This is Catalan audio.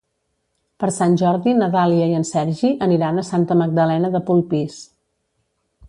Per Sant Jordi na Dàlia i en Sergi aniran a Santa Magdalena de Polpís.